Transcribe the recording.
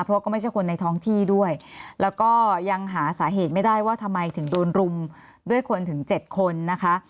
เพราะก็ไม่ใช่คนในท้องที่ด้วยแล้วก็ยังหาสาเหตุไม่ได้ว่าทำไมถึงโดนรุมด้วยคนถึงเจ็ดคนนะคะ